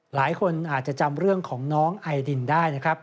หลายคนอาจจะจำเรื่องของน้องไอดินได้นะครับ